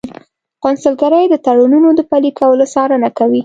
قونسلګرۍ د تړونونو د پلي کولو څارنه کوي